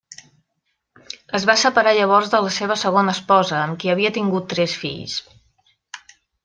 Es va separar llavors de la seva segona esposa amb qui havia tingut tres fills.